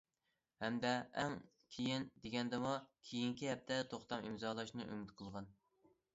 ھەمدە ئەڭ كېيىن دېگەندىمۇ كېيىنكى ھەپتە توختام ئىمزالاشنى ئۈمىد قىلغان.